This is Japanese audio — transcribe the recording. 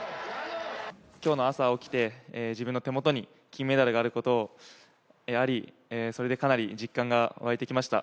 今日の朝起きて、自分の手元に金メダルがあることでかなり実感が湧いてきました。